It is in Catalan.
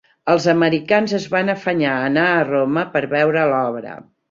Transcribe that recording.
Els americans es van afanyar a anar a Roma per veure l'obra.